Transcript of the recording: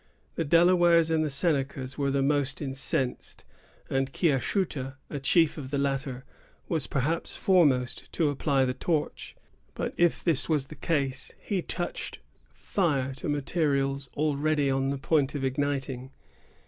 The Delawares and Senecas were the most incensed, and Kiashuta, a chief of the latter, was perhaps foremost to apply the torch; but, if this was the case, he touched fire to materials already on the point of igniting.